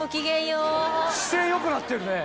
姿勢よくなってるね。